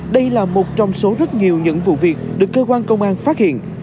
đây là một trong số rất nhiều những vụ việc được cơ quan công an phát hiện